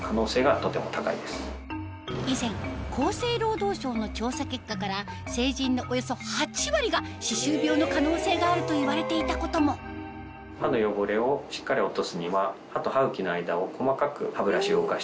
以前厚生労働省の調査結果から成人のおよそ８割が歯周病の可能性があるといわれていたことも歯の汚れをしっかり落とすには。